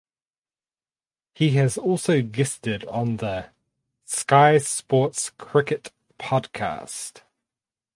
He has also guested on the "Sky Sports Cricket Podcast".